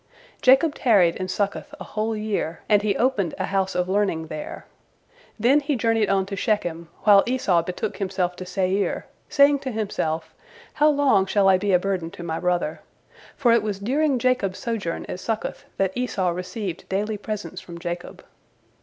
Jacob tarried in Succoth a whole year, and he opened a house of learning there. Then he journeyed on to Shechem, while Esau betook himself to Seir, saying to himself, "How long shall I be a burden to my brother?" for it was during Jacob's sojourn at Succoth that Esau received daily presents from Jacob.